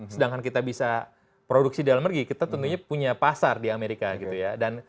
sedangkan kita bisa produksi dalam negeri kita tentunya punya pasar di amerika gitu ya